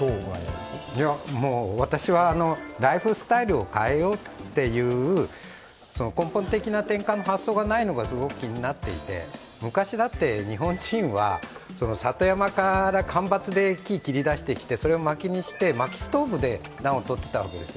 私はライフスタイルを変えようっていう根本的な転換の発想がないのが気になっていて昔だって日本人は里山から間伐で木を切り出してきてそれをまきにして、まきストーブで暖をとっていたわけです。